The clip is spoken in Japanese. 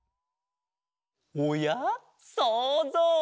おやそうぞう！